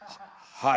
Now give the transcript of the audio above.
はい。